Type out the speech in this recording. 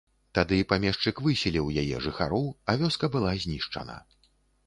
Тады памешчык выселіў яе жыхароў, а вёска была знішчана.